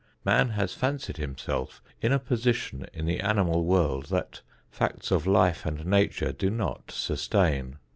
Man has fancied himself in a position in the animal world that facts of life and nature do not sustain.